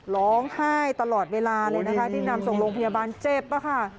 ร้องไห้ตลอดเวลาเลยนะคะที่นำส่งโรงพยาบาลเจ็บค่ะ